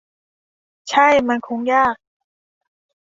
ใช่ มันคงจะยาก